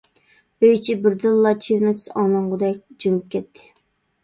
ئۆي ئىچى بىردىنلا چىۋىن ئۇچسا ئاڭلانغۇدەك جىمىپ كەتتى.